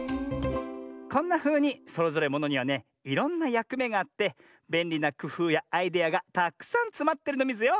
こんなふうにそれぞれものにはねいろんなやくめがあってべんりなくふうやアイデアがたくさんつまってるのミズよ！